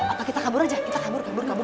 atau kita kabur aja kita kabur kabur kabur